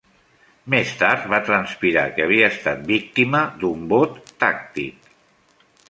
Més tard va transpira que havia estat víctima d'un vot tàctic.